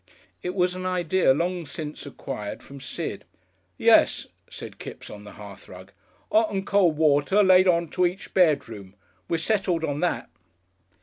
It was an idea long since acquired from Sid. "Yes," said Kipps, on the hearthrug, "'Ot and cold water laid on to each bedroom we've settled on that."